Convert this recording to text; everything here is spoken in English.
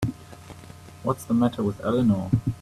What's the matter with Eleanor?